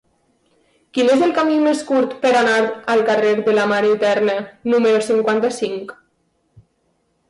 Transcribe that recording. Quin és el camí més curt per anar al carrer de la Mare Eterna número cinquanta-cinc?